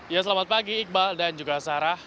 ya selamat pagi iqbal dan juga sarah